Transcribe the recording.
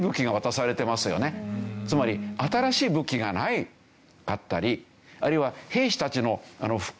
つまり新しい武器がなかったりあるいは兵士たちの服。